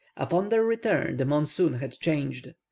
Upon their return the monsoon had changed.